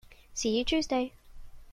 See you Tuesday!